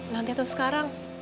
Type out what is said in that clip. nanti atau sekarang